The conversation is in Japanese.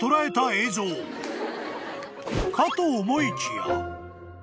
［かと思いきや］